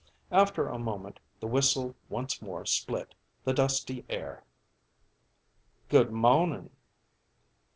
After a moment the whistle once more split the dusty air. "Good mawnin'."